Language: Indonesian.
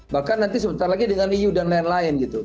bahkan nanti sebentar lagi dengan eu dan lain lain gitu